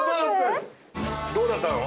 どうだったの？